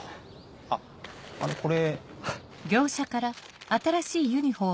あっあのこれ。